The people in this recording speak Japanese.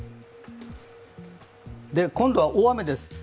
今度は大雨です。